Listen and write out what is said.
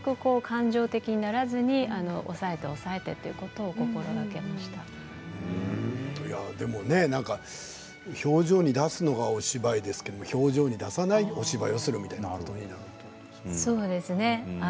極力、感情的にならずに抑えて抑えてということを表情に出すのがお芝居ですけれど表情に出さないお芝居をするというのは難しいですよね。